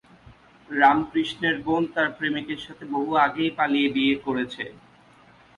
রামকৃষ্ণের বোন তার প্রেমিকের সাথে বহু আগেই পালিয়ে বিয়ে করেছে।